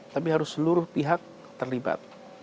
tapi harus seluruh pihak terlibat